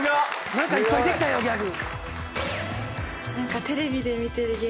何かいっぱいできたよギャグ。